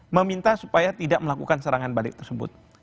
meminta supaya tidak melakukan serangan balik tersebut